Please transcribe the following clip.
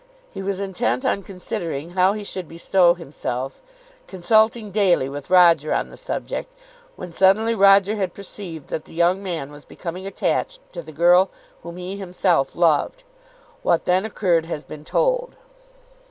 He was intent on considering how he should bestow himself, consulting daily with Roger on the subject, when suddenly Roger had perceived that the young man was becoming attached to the girl whom he himself loved. What then occurred has been told.